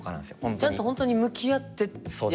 ちゃんと本当に向き合ってやらないと。